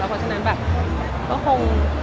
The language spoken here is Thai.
ก็คง